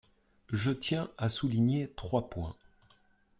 Je tiens à souligner trois points.